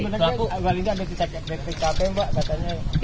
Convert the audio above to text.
peggy itu menurutnya mbak linda ada di ktp mbak katanya